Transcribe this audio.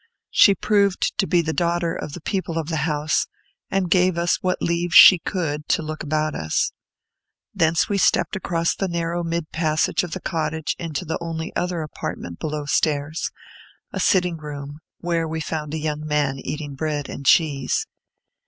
She proved to be the daughter of the people of the house, and gave us what leave she could to look about us. Thence we stepped across the narrow mid passage of the cottage into the only other apartment below stairs, a sitting room, where we found a young man eating broad and cheese.